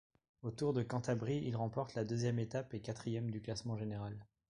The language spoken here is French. Au Tour de Cantabrie, il remporte la deuxième étape et quatrième du classement général.